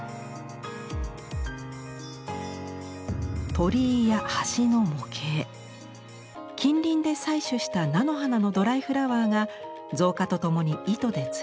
鳥居や橋の模型近隣で採取した菜の花のドライフラワーが造花とともに糸でつるされ